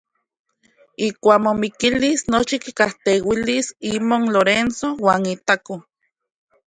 Ijkuak momikilis nochi kikajteuilis imon Lorenzo uan itako.